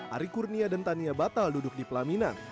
ari kurnia dan tania batal duduk di pelaminan